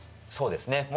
そうですね。